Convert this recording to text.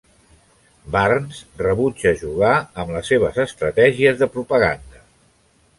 Barnes rebutja jugar amb les seves estratègies de propaganda.